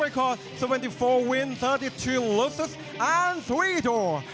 พัชโนโลส่วนที่๔วินส่วนที่๓๒ลูซิสและสวีดอล